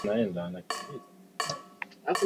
kuona kwamba mtu alikuwa amejaa wasambazaji wengi wa